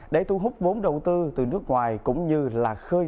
để thu hút vốn đầu tư từ nước ngoài cũng như là khơi